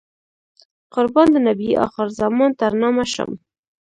قربان د نبي اخر الزمان تر نامه شم.